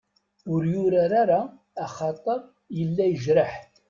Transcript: Ur yurar ara axaṭer yella yejreḥ.